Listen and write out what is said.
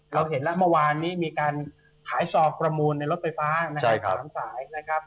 เราเห็นแล้วเมื่อวานนี้มีการขายซอกประมูลในรถไฟฟ้านะครับ๓สายนะครับ